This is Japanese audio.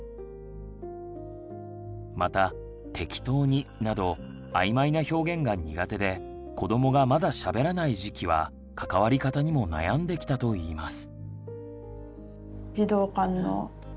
また「適当に」など曖昧な表現が苦手で子どもがまだしゃべらない時期は関わり方にも悩んできたといいます。